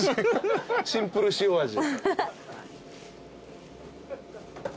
シンプル塩味。